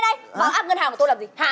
bảo áp ngân hàng của tôi làm gì